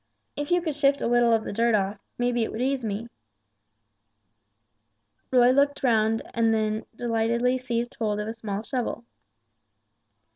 If you could shift a little of the earth off, may be it would ease me!" Roy looked round and then delightedly seized hold of a small shovel.